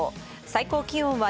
最高気温は